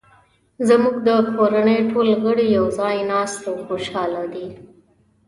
زموږ د کورنۍ ټول غړي یو ځای ناست او خوشحاله دي